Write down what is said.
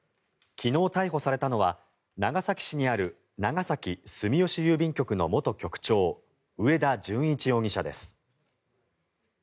昨日逮捕されたのは長崎市にある長崎住吉郵便局の元局長上田純一容疑者です。